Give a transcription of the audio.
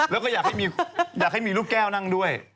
แล้วก็อยากให้มีลูกแก้วนั่งด้วย